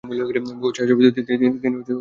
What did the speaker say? বহু ছায়াছবিতে তিনি নিজেও সুর করেছিলেন।